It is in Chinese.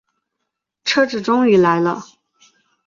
车子终于来了